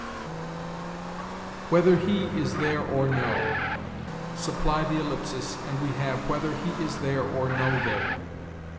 "Whether he is there or no." Supply the ellipsis, and we have, "Whether he is there or no there."